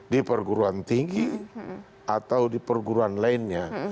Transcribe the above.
di perguruan tinggi atau di perguruan lainnya